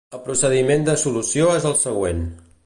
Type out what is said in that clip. El procediment de solució és el següent.